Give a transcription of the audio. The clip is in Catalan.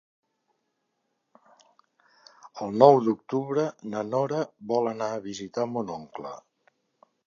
El nou d'octubre na Nora vol anar a visitar mon oncle.